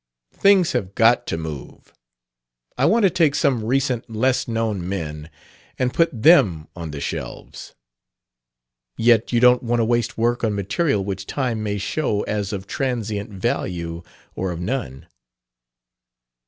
Things have got to move. I want to take some recent, less known men and put them on the shelves." "Yet you don't want to waste work on material which time may show as of transient value, or of none."